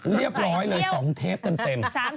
เรียบร้อยเลย๒เทปเต็ม